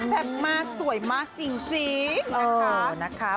มากสวยมากจริงนะคะ